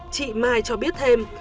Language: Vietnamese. chị mai cho biết thêm